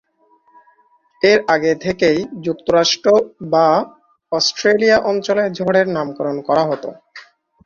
এর আগে থেকেই যুক্তরাষ্ট্র বা অস্ট্রেলিয়া অঞ্চলে ঝড়ের নামকরণ করা হতো।